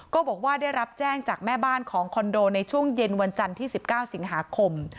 ก็บอกว่าได้รับแจ้งจากแม่บ้านของคอนโดในช่วงเย็นวันจันทร์ที่๑๙สิงหาคม